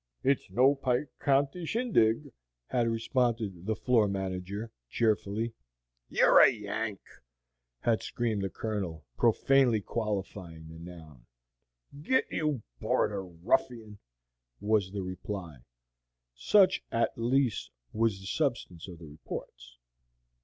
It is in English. "It's no Pike County shindig," had responded the floor manager, cheerfully. "You're a Yank!" had screamed the Colonel, profanely qualifying the noun. "Get! you border ruffian," was the reply. Such at least was the substance of the reports.